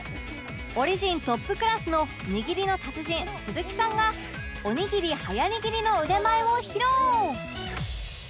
オリジントップクラスのにぎりの達人鈴木さんがおにぎり早にぎりの腕前を披露